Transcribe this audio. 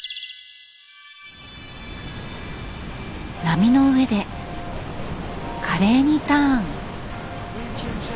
波の上で華麗にターン！